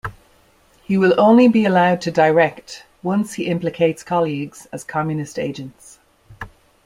He will only be allowed to direct once he implicates colleagues as Communist agents.